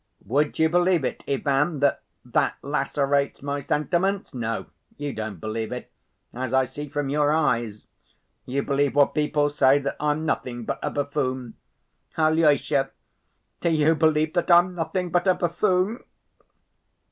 Would you believe it, Ivan, that that lacerates my sentiments? No, you don't believe it as I see from your eyes. You believe what people say, that I'm nothing but a buffoon. Alyosha, do you believe that I'm nothing but a buffoon?"